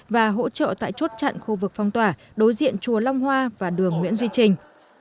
và hỗ trợ tại chốt chặn khu vực phong tỏa đối diện chùa long hoa và đường nguyễn duy trình